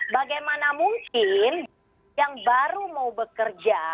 bagaimana mungkin yang baru mau bekerja